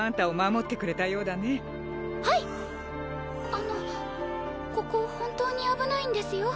あのここ本当に危ないんですよ？